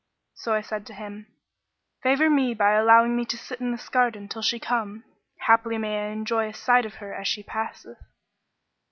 So I said to him, 'Favour me by allowing me to sit in this garden till she come; haply I may enjoy a sight of her as she passeth.'